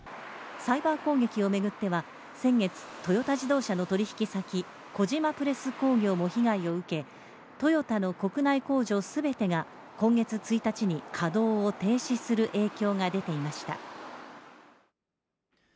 サイバー攻撃を巡っては、先月トヨタ自動車の取引先小島プレス工業も被害を受けトヨタの国内工場全てが今月１日に稼働を停止する影響が出ていました。